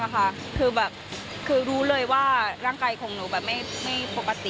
คือแบบคือรู้เลยว่าร่างกายของหนูแบบไม่ปกติ